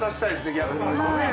逆に。